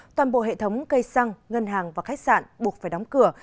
toàn bộ hệ thống cây xăng ngân hàng và khách sạn buộc phải đóng cửa